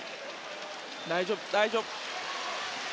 大丈夫、大丈夫。